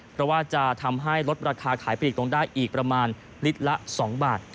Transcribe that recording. เพราะว่าจะทำให้ลดราคาขายปลีกลงได้อีกประมาณลิตรละ๒บาท